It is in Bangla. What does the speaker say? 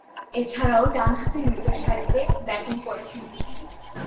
এছাড়াও, ডানহাতে নিচেরসারিতে ব্যাটিং করছেন তিনি।